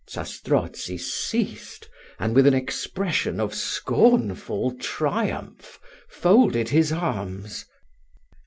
Zastrozzi ceased, and, with an expression of scornful triumph, folded his arms.